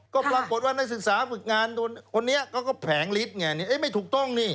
ก็ปรากฏว่านักศึกษาฝึกงานคนนี้เขาก็แผงฤทธิ์ไงนี่ไม่ถูกต้องนี่